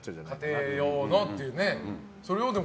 家庭用のっていうので。